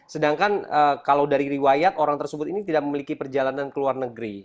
sedangkan kalau dari riwayat orang tersebut ini tidak memiliki perjalanan ke luar negeri